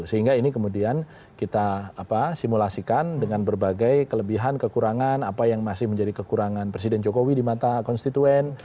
sehingga ini kemudian kita simulasikan dengan berbagai kelebihan kekurangan apa yang masih menjadi kekurangan presiden jokowi di mata konstituen